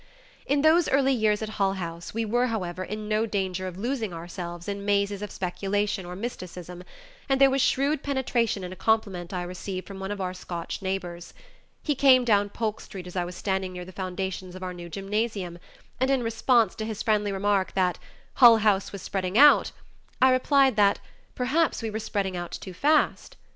In those early years at Hull House we were, however, in no danger of losing ourselves in mazes of speculation or mysticism, and there was shrewd penetration in a compliment I received from one of our Scotch neighbors. He came down Polk Street as I was standing near the foundations of our new gymnasium, and in response to his friendly remark that "Hull House was spreading out," I replied that "Perhaps we were spreading out too fast."